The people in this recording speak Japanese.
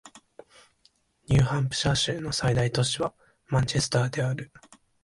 ニューハンプシャー州の最大都市はマンチェスターである